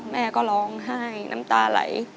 แม่ก็ร้องไห้น้ำตาไหล